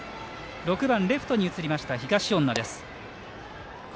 ６番レフトに移りました東恩納です。